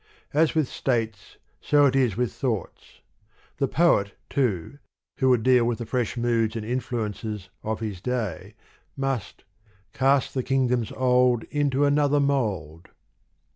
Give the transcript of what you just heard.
As with states, so it is with thoughts : the poet, too, who would deal with the fresh moods and influences of his day, must Cast the kingdoms old Into another mould.